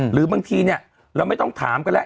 หรือบางทีเนี่ยเราไม่ต้องถามกันแล้ว